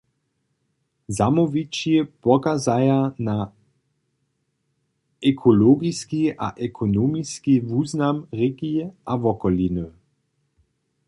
Zamołwići pokazaja na ekologiski a ekonomiski wuznam rěki a wokoliny.